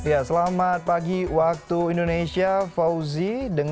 ya selamat pagi waktu indonesia fauzi